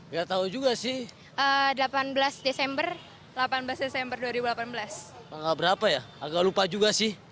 di jakarta sama palembang